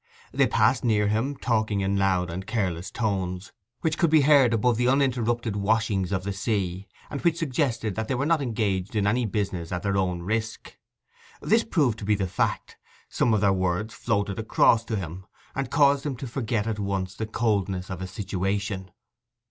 They passed near him, talking in loud and careless tones, which could be heard above the uninterrupted washings of the sea, and which suggested that they were not engaged in any business at their own risk. This proved to be the fact: some of their words floated across to him, and caused him to forget at once the coldness of his situation.